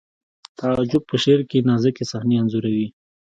تعجب په شعر کې نازکې صحنې انځوروي